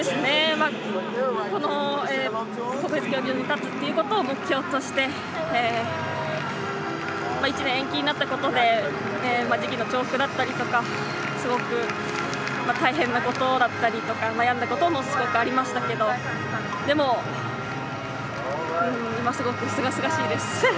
この国立競技場に立つということを目標として１年延期になったことで時期の重複だったりとかすごく、大変なことだったりとか悩んだこともすごくありましたけどでも、今すごくすがすがしいです。